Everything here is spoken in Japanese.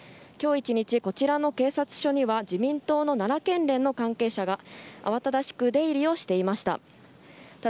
こちらの警察庁には自民党の奈良県連の関係者が慌ただしく出入りをしていました。